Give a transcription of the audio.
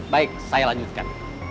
baik saya lanjutkan